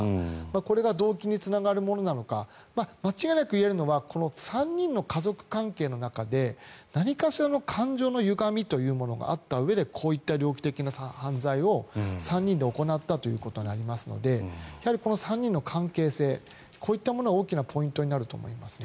これが動機につながるものなのか間違いなく言えるのは３人の家族関係の中で何かしらの感情のゆがみというものがあったうえでこういった猟奇的な犯罪を３人で行ったということになりますのでこの３人の関係性こういったものが大きなポイントになると思いますね。